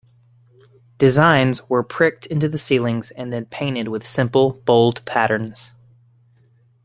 Designs were pricked into the ceilings and then painted with simple, bold patterns.